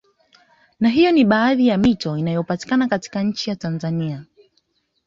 Na hiyo ni baadhi ya mito inayopatikana nchini Tanzania